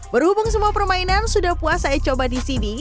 berhubung semua permainan sudah puas saya coba di sini